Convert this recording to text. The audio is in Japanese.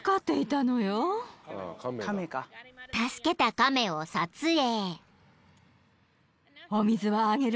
［助けた亀を撮影］